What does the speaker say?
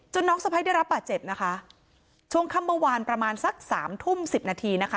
น้องสะพ้ายได้รับบาดเจ็บนะคะช่วงค่ำเมื่อวานประมาณสักสามทุ่มสิบนาทีนะคะ